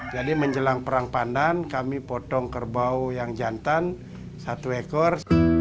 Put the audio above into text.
jadi menjelang perang pandan kami potong kerbau yang jantan satu ekor